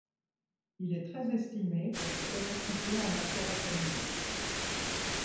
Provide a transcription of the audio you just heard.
Il est très estimé pour ces capacités en matière économique.